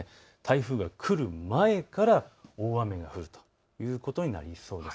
台風が来る前から大雨が降るということになりそうです。